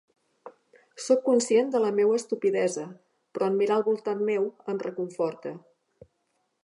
Soc conscient de la meua estupidesa, però en mirar al voltant meu em reconforte.